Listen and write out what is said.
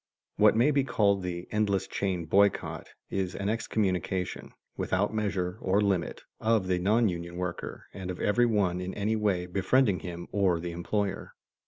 What may be called the endless chain boycott is an excommunication, without measure or limit, of the non union worker and of every one in any way befriending him or the employer.